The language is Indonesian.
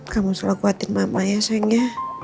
kamu selalu kuatin mama ya sehingga